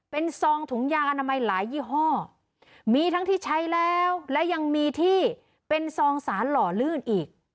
เป็นซองถุงยางอนามัยหลายยี่ห้อมีทั้งที่ใช้แล้วและยังมีที่เป็นซองสารหล่อลื่นอีก